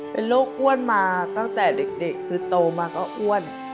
เป็นโรคอ้วนมาตั้งแต่เด็กคือโตมาก็อ้วน